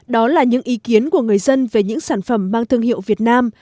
đó là những ý kiến của người dân về những sản phẩm mang thương hiệu việt nam